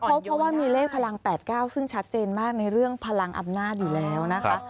เพราะว่ามีเลขพลัง๘๙ซึ่งชัดเจนมากในเรื่องพลังอำนาจอยู่แล้วนะคะ